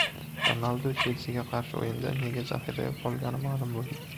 Ronaldu "Chelsi"ga qarshi o‘yinda nega zaxirada qolgani ma’lum bo‘ldi